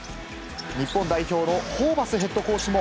日本代表のホーバスヘッドコーチも。